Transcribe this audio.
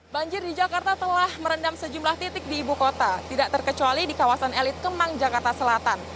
banjir di jakarta telah merendam sejumlah titik di ibu kota tidak terkecuali di kawasan elit kemang jakarta selatan